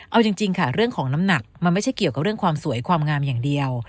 เอาจริงค่ะเรื่องของน้ำหนักมันไม่ใช่เกี่ยวกับเรื่องความสวยความงามอย่างเดียว